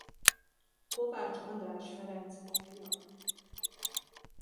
Kovács András Ferenc apja.